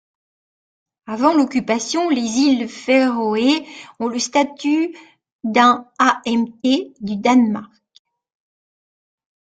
Avant l'occupation, les îles Féroé ont le statut d'un amt du Danemark.